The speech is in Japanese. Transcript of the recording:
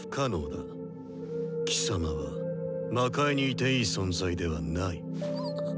貴様は魔界にいていい存在ではない。